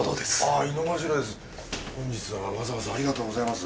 本日はわざわざありがとうございます。